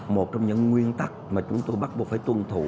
một trong những nguyên tắc mà chúng tôi bắt buộc phải tuân thủ